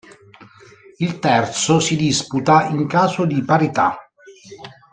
Il terzo si disputa in caso di parità.